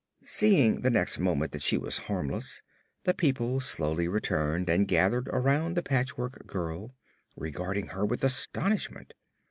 Seeing the next moment that she was harmless, the people slowly returned and gathered around the Patchwork Girl, regarding her with astonishment.